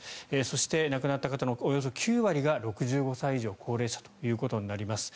そして、亡くなった方のおよそ９割が６５歳以上高齢者ということになります。